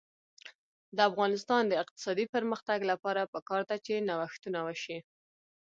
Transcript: د افغانستان د اقتصادي پرمختګ لپاره پکار ده چې نوښتونه وشي.